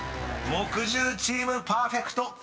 ［木１０チームパーフェクト